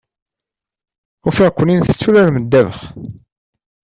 Ufiɣ-ken-in tetturarem ddabax.